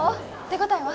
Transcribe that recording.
手応えは？